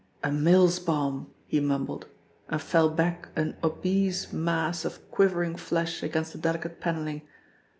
"A Mills bomb!" he mumbled, and fell back an obese mass of quivering flesh against the delicate panelling.